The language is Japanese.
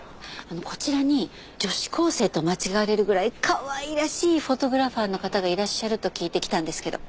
こちらに女子高生と間違われるぐらいかわいらしいフォトグラファーの方がいらっしゃると聞いて来たんですけど。